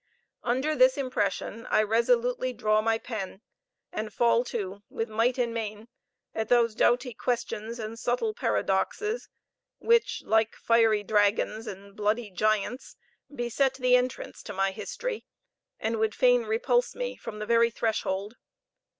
Under this impression, I resolutely draw my pen, and fall to with might and main at those doughty questions and subtle paradoxes which, like fiery dragons and bloody giants, beset the entrance to my history, and would fain repulse me from the very threshold.